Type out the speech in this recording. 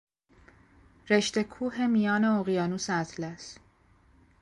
رشته کوه میان اقیانوس اطلس